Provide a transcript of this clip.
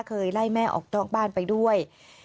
เคยไล่แม่ออกนอกบ้านไปด้วย